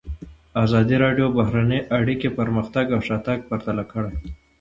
ازادي راډیو د بهرنۍ اړیکې پرمختګ او شاتګ پرتله کړی.